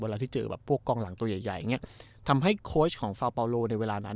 เวลาที่เจอพวกกองหลังตัวใหญ่ทำให้โคชของฟาวเปาโลในเวลานั้น